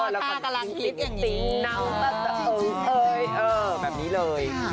ถ้ากำลังคิดอย่างนี้จริงแบบนี้เลย